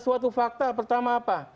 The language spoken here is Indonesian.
suatu fakta pertama apa